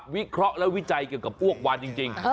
วิเคราะห์และวิจัยเกี่ยวกับอ้วกวานจริง